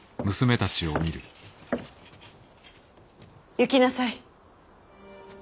行きなさい。